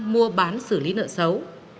mua bán xử lý nợ xấu